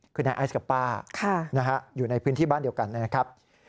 คือนายไอซ์กับป้าอยู่ในพื้นที่บ้านเดียวกันนะครับ